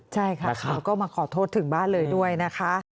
ใช่ค่ะเขาก็มาขอโทษถึงบ้านเลยด้วยนะคะ